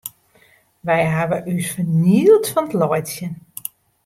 Wy hawwe ús fernield fan it laitsjen.